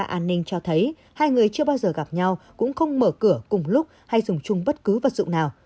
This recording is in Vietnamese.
an ninh cho thấy hai người chưa bao giờ gặp nhau cũng không mở cửa cùng lúc hay dùng chung bất cứ vật dụng nào